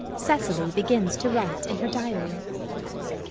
[Cecily begins to write in her diary.